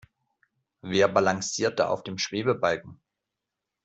Wer balanciert da auf dem Schwebebalken?